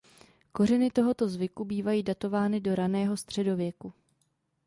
Kořeny tohoto zvyku bývají datovány do raného středověku.